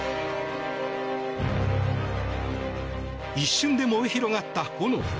一瞬で燃え広がった炎。